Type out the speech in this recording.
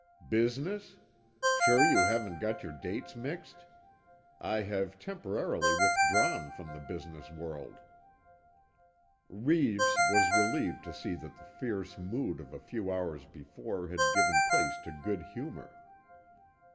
"Business? Sure you haven't got your dates mixed. I have temporarily withdrawn from the business world." Reeves was relieved to see that the fierce mood of a few hours before had given place to good humour.